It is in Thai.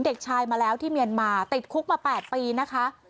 เด็กชายมาแล้วที่เมียนมาติดคุกมา๘ปีนะคะ